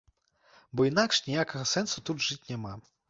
Бо інакш ніякага сэнсу тут жыць няма.